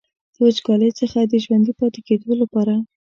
د وچکالۍ څخه د ژوندي پاتې کیدو لپاره.